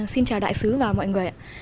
xin chào đại sứ và mọi người ạ